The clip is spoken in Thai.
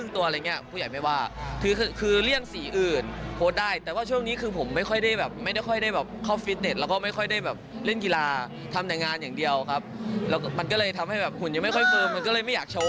แต่ว่าตัวจริงน่ารักมากเลยนะ